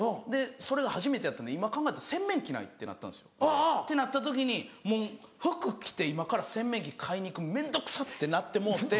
それが初めてやったので今考えたら洗面器ないってなったんですよってなった時にもう服着て今から洗面器買いに行くの面倒くさ！ってなってもうて。